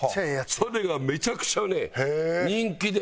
それがめちゃくちゃね人気で。